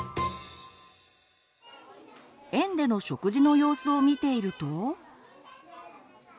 園での食事の様子を見ていると。